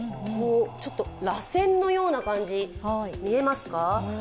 ちょっとらせんのような感じ見えますか。